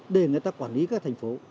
để người ta quản lý các thành phố